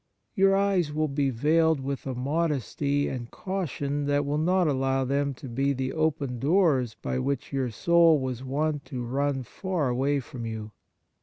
Your eyes will be veiled with a modesty and caution that will not allow them to be the open doors by which your soul was wont to run far away from you.